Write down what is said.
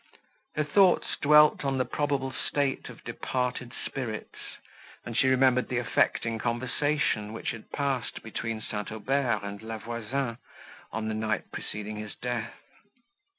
Her thoughts dwelt on the probable state of departed spirits, and she remembered the affecting conversation, which had passed between St. Aubert and La Voisin, on the night preceding his death.